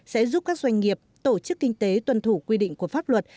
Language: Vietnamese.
sẽ giúp các doanh nghiệp tổ chức kinh tế tuân thủ quy định của pháp luật